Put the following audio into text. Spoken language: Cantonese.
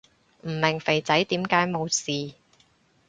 唔明肥仔點解冇事